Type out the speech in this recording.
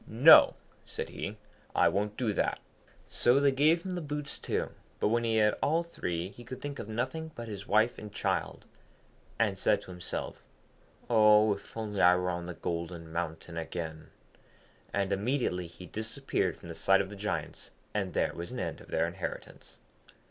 'No,' said he; 'I won't do that.' So they gave him the boots too; but when he had all three he could think of nothing but his wife and child, and said to himself, 'Oh, if only I were on the Golden Mountain again!' and immediately he disappeared from the sight of the Giants, and there was an end of their inheritance.